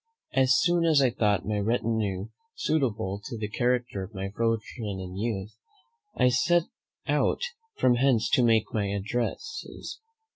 As soon as I thought my retinue suitable to the character of my fortune and youth, I set out from hence to make my addresses.